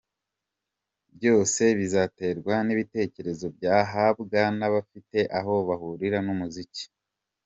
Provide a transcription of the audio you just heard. Byose bizaterwa n’ibitekerezo nzahabwa n’abafite aho bahurira n’umuziki.